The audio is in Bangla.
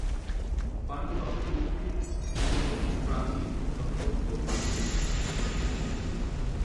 পান্ডুয়া হুগলী অন্যতম প্রাচীন জনপদ ও বাণিজ্যকেন্দ্র।